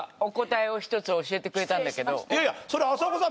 いやいやそれ浅丘さん